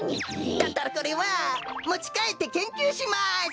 だったらこれはもちかえってけんきゅうします！